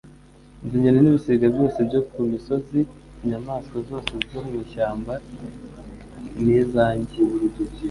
Nzi inyoni n'ibisiga byose byo ku misozi, inyamaswa zose zo mu ishyamba ni izanjye.